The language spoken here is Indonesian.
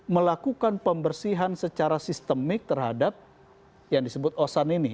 melakukan pembersihan secara sistemik terhadap yang disebut osan ini